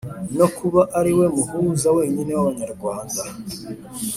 no kuba ari we muhuza wenyine w'Abanyarwanda.